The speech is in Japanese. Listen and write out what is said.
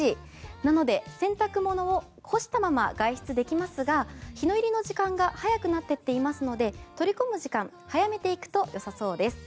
なので洗濯物を干したまま外出できますが日の入りの時間が早くなってっていますので取り込む時間、早めていくとよさそうです。